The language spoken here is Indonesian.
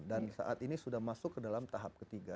dan saat ini sudah masuk ke dalam tahap ketiga